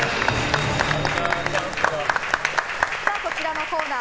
こちらのコーナー